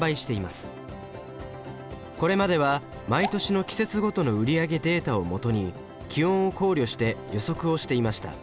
これまでは毎年の季節ごとの売り上げデータをもとに気温を考慮して予測をしていました。